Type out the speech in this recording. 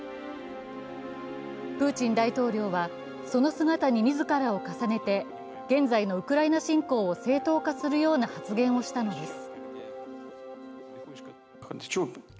プーチン大統領は、その姿に自らを重ねて現在のウクライナ侵攻を正当化するような発言をしたのです。